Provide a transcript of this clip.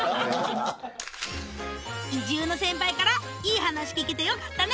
移住の先輩からいい話聞けてよかったね